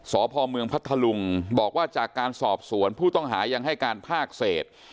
สพเมืองพัทธลุงบอกว่าจากการสอบสวนผู้ต้องหายังให้การภาคเศษ